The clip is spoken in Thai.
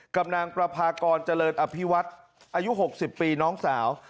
กับนางประพากรเจริญอภิวัฒน์อายุ๖๐ปีน้องสาว